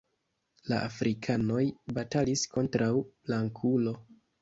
La Afrikanoj batalis kontraŭ Blankulo.